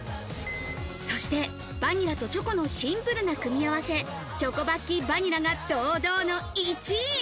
そしてバニラとチョコのシンプルな組み合わせ、チョコバッキーバニラが堂々の１位。